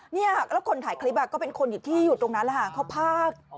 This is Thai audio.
เนี่ยละคนถ่ายคลิปก็เป็นคนที่อยู่ที่ตรงนั้นล่ะขอภาก